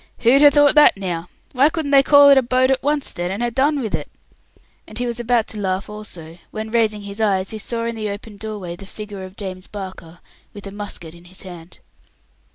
"Who'd ha' thought that now? Why couldn't they call it a boat at once, then, and ha' done with it?" and he was about to laugh also, when, raising his eyes, he saw in the open doorway the figure of James Barker, with a musket in his hand.